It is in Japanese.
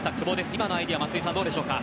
今のアイデア松井さん、どうでしょうか。